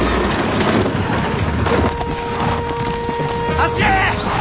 走れ！